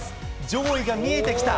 上位が見えてきた。